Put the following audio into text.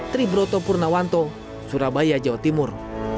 triburoto purnawanto surabaya jawa timur